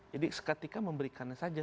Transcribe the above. jadi seketika memberikannya saja